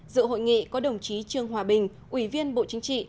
dự hội nghị có đồng chí trương hòa bình ủy viên bộ chính trị